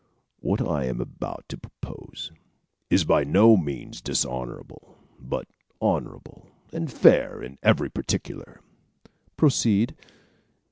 "What I am about to propose is by no means dishonorable, but honorable and fair in every particular." "Proceed."